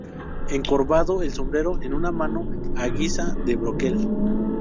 encorvado, el sombrero en una mano a guisa de broquel